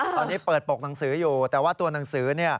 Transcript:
ตอนนี้เปิดปกหนังสืออยู่แต่ว่าตัวหนังสือ